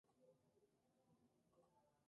Forma parte del Ejido Tamaulipas.